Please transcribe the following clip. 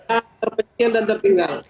terpengen dan tertinggal